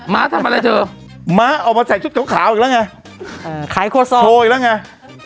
ม้าทำอะไรเธอม้าออกมาใส่ชุดขาวอีกแล้วไงขายโคซอลโชว์อีกแล้วไง